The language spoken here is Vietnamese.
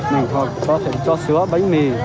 mình họ có thể cho sữa bánh mì